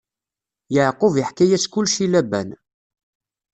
Yeɛqub iḥka-yas kullec i Laban.